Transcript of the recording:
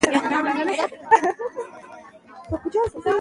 لوستې میندې د ماشوم پر روغتیا باور زیاتوي.